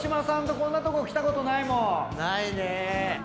ないね。